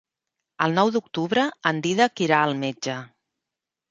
El nou d'octubre en Dídac irà al metge.